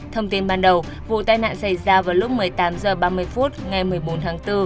thông tin ban đầu vụ tai nạn xảy ra vào lúc một mươi tám h ba mươi phút ngày một mươi bốn tháng bốn